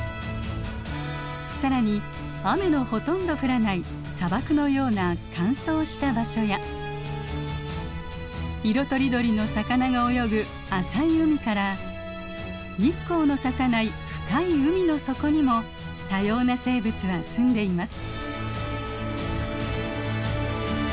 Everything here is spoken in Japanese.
更に雨のほとんど降らない砂漠のような乾燥した場所や色とりどりの魚が泳ぐ浅い海から日光のささない深い海の底にも多様な生物はすんでいます。